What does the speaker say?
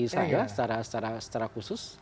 saya secara khusus